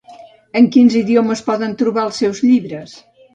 En quins idiomes podem trobar els seus llibres?